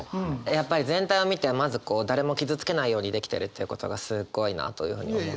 やっぱり全体を見てまずこう誰も傷つけないように出来てるということがすっごいなというふうに思って。